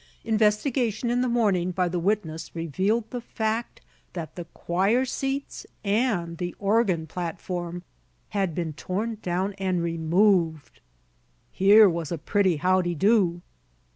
Investigation in the morning by the witness revealed the fact that the choir seats and the organ platform had been torn down and removed. Here was a pretty how d' do!